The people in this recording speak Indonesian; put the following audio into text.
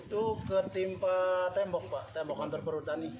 itu ketimpa tembok pak tembok kantor perhutani